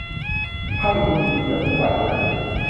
ไพ่คุณดีเกือบทุกใบขนาดนี้